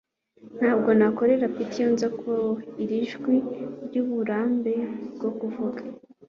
Ntabwo nakorera Peter iyo nza kuba wowe - iri nijwi ry'uburambe bwo kuvuga!